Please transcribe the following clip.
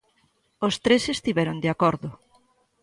Os tres estiveron de acordo.